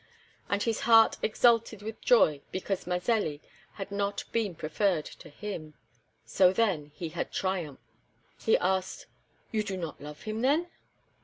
And his heart exulted with joy because Mazelli had not been preferred to him. So then he had triumphed. He asked: "You do not love him, then?"